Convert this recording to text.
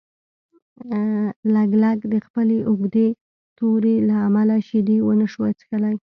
لګلګ د خپلې اوږدې تورې له امله شیدې ونشوای څښلی.